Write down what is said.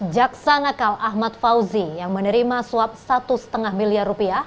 jaksa nakal ahmad fauzi yang menerima suap rp satu lima miliar